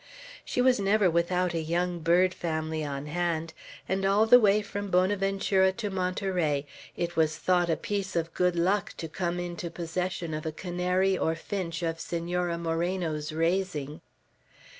She was never without a young bird family on hand; and all the way from Bonaventura to Monterey, it was thought a piece of good luck to come into possession of a canary or finch of Senora Moreno's 'raising.